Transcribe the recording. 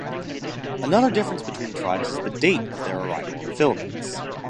Another difference between tribes is the date of their arrival in the Philippines.